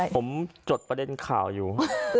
ผมจดประเด็นข่าวอยู่